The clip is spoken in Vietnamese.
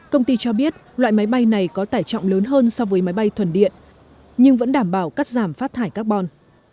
công ty cho biết loại máy bay này có tải trọng lớn hơn so với máy bay thuần điện nhưng vẫn đảm bảo cắt giảm phát thải carbon